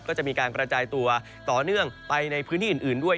ก็จะมีการกระจายตัวต่อเนื่องไปในพื้นที่อื่นด้วย